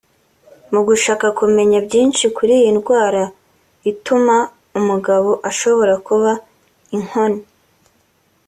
Mu gushaka kumenya byinshi kuri iyi ndwara ituma umugabo ashobora kuba inkone